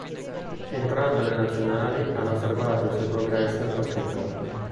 Entrambe le Nazionali hanno osservato i suoi progressi al Pachuca.